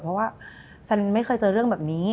เพราะว่าฉันไม่เคยเจอเรื่องแบบนี้